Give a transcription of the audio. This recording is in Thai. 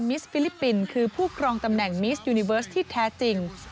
ฟิลิปปินส์คือผู้ครองตำแหน่งมิสยูนิเวิร์สที่แท้จริง